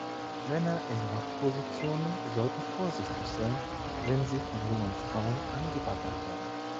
Männer in Machtpositionen sollten vorsichtig sein, wenn sie von jungen Frauen angebaggert werden.